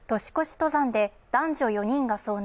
登山で男女４人が遭難。